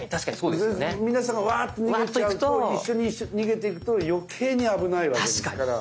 皆さんがわっと逃げちゃうと一緒に逃げていくと余計に危ないわけですから。